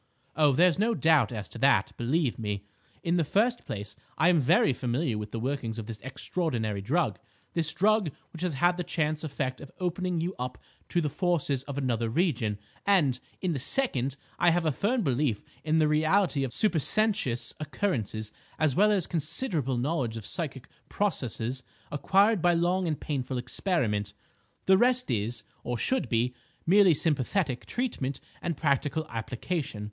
Oh, there's no doubt as to that, believe me. In the first place, I am very familiar with the workings of this extraordinary drug, this drug which has had the chance effect of opening you up to the forces of another region; and, in the second, I have a firm belief in the reality of supersensuous occurrences as well as considerable knowledge of psychic processes acquired by long and painful experiment. The rest is, or should be, merely sympathetic treatment and practical application.